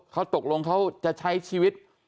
เขาตกลงเขาจะใช้ชีวิต